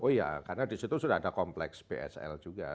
oh iya karena di situ sudah ada kompleks bsl juga